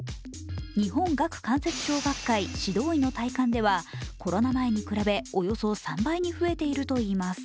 日本顎関節学会・指導医の体感ではコロナ前に比べおよそ３倍に増えているといいます。